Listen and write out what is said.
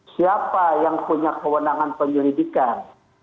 siapa yang punya kewenangan penyelidikan